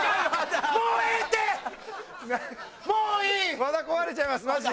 和田壊れちゃいますマジで。